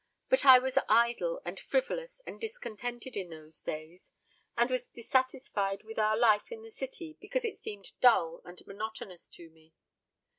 But I was idle and frivolous and discontented in those days, and was dissatisfied with our life in the city because it seemed dull and monotonous to me.